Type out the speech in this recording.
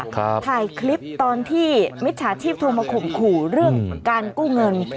ถ่ายคลิปตอนที่มิจฉาชีพโทรมาข่มขู่เรื่องการกู้เงิน